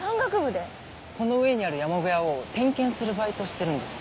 この上にある山小屋を点検するバイトしてるんです。